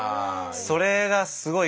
それがすごい